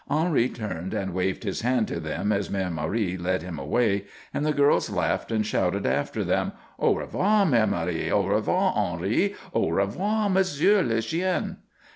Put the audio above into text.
Henri turned and waved his hand to them as Mère Marie led him away, and the girls laughed and shouted after them: "Au revoir, Mère Marie! Au revoir, Henri! _Au revoir, Monsieur le Chien!